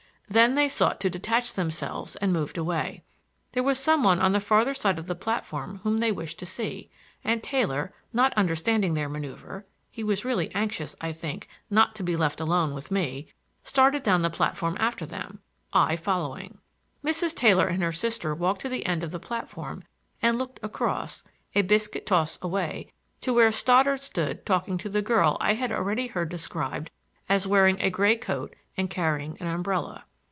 Then they sought to detach themselves and moved away. There was some one on the farther side of the platform whom they wished to see, and Taylor, not understanding their manoeuver—he was really anxious, I think, not to be left alone with me— started down the platform after them, I following. Mrs. Taylor and her sister walked to the end of the platform and looked across, a biscuit toss away, to where Stoddard stood talking to the girl I had already heard described as wearing a gray coat and carrying an umbrella.